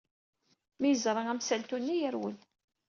Mi yeẓra amsaltu-nni, yerwel.